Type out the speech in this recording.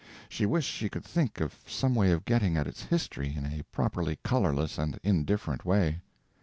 She wished she could think of some way of getting at its history in a properly colorless and indifferent way.